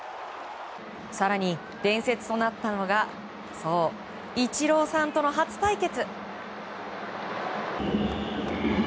更に、伝説となったのがそう、イチローさんとの初対決。